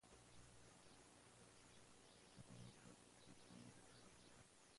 El estadio era sede de los equipos de la Primera y Segunda división andorrana.